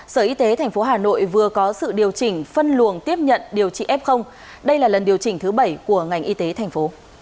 sở y tế tp hà nội vừa có sự điều chỉnh phân luồng tiếp nhận điều trị f đây là lần điều chỉnh thứ bảy của ngành y tế thành phố